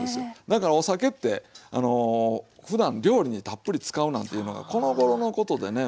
だからお酒ってふだん料理にたっぷり使うなんていうのがこのごろのことでね。